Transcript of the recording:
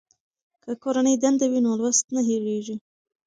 که کورنۍ دنده وي نو لوست نه هېریږي.